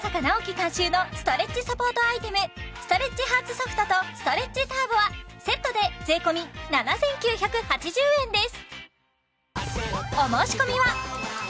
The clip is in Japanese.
監修のストレッチサポートアイテムストレッチハーツソフトとストレッチターボはセットで税込７９８０円です